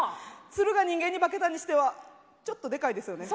鶴が人間に化けたにしてはちょっとデカいですよね。